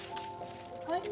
はい？